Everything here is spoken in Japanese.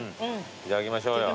いただきましょうよ。